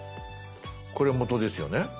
これ元ですよね。